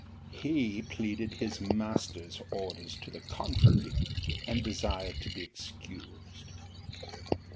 'He pleaded his master's orders to the contrary, and desired to be excused.